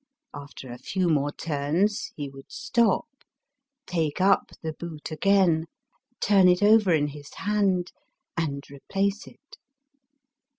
After a few more turns he would stop, take up the boot again, turn it over in his hand, and replace it.